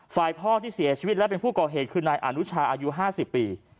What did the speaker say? ฝ่ายพ่อที่เสียชีวิตและเป็นผู้ก่อเหตุคือนายอนุชาอายุ๕๐ปี